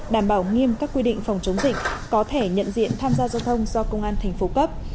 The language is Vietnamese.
đảm bảo nghiêm các quy định phòng chống dịch có thể nhận diện tham gia giao thông do công an tp cấp